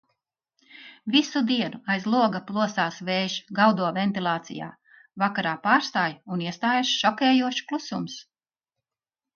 Visu dienu aiz loga plosās vējš, gaudo ventilācijā. Vakarā pārstāj un iestājas šokējošs klusums.